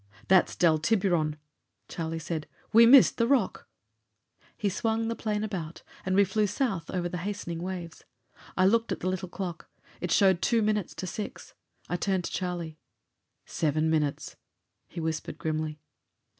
"That's Del Tiburon," Charlie said. "We missed the rock." He swung the plane about and we flew south over the hastening waves. I looked at the little clock. It showed two minutes to six. I turned to Charlie. "Seven minutes!" he whispered grimly.